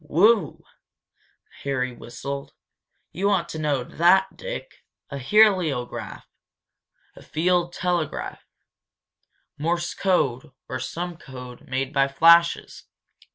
"Whew!" Harry whistled, "You ought to know that, Dick! A heliograph field telegraph. Morse code or some code made by flashes.